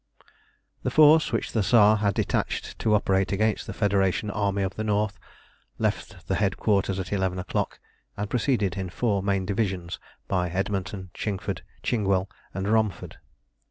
The force which the Tsar had detached to operate against the Federation Army of the North left the headquarters at eleven o'clock, and proceeded in four main divisions by Edmonton, Chingford, Chigwell, and Romford.